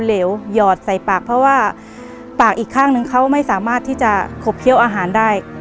เหลวหยอดใส่ปากเพราะว่าปากอีกข้างนึงเขาไม่สามารถที่จะขบเคี้ยวอาหารได้